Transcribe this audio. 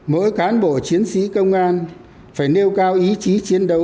mỗi cán bộ chiến sĩ công an phải nêu cao ý chí chiến đấu